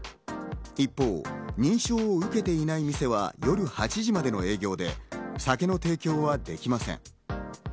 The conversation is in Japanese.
一方、認証を受けていない店は夜８時までの営業で酒の提供はできません。